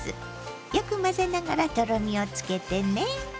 よく混ぜながらとろみをつけてね。